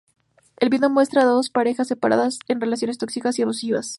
El vídeo muestra a dos parejas separadas en relaciones tóxicas y abusivas.